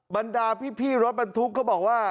บรรดาพี่รถบรรทุกก็บอกว่า